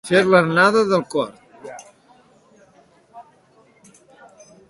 Fer l'anada del corb.